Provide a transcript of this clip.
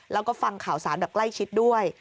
แล้วก็ฟังข่าวสารแบบใกล้ชิดด้วย